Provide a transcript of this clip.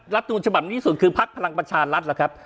รัฐมนุษย์ฉบับนี้ที่สุดคือพักพลังประชารรัฐแหละครับ